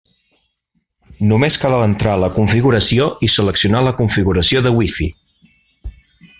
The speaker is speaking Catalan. Només cal entrar a configuració i seleccionar la configuració de Wi-Fi.